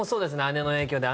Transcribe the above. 姉の影響で。